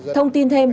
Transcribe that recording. thông tin thêm